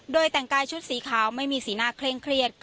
โดยแต่งกายชุดสีขาวไม่มีสีหน้าเคร่งเครียด